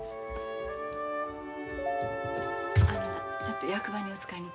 あのなちょっと役場にお使いに行ってきて。